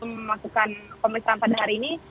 memasukkan pemeriksaan pada hari ini